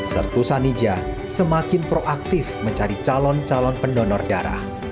sertu sanija semakin proaktif mencari calon calon pendonor darah